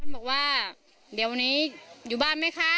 บอกว่าเดี๋ยววันนี้อยู่บ้านไหมคะ